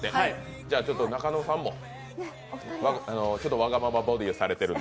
じゃあ、中野さんも、ちょっとわがままボディーをされているので。